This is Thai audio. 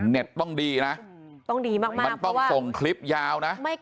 เน็ตต้องดีนะมันต้องส่งคลิปยาวนะมันต้องดีมาก